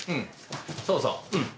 そうそう。